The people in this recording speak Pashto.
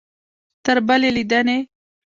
تر بلې لیدنې؟